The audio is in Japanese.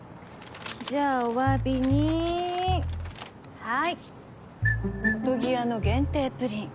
じゃあおわびにはいおとぎ屋の限定プリン。